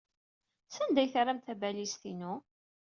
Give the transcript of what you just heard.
Sanda ay terramt tabalizt-inu?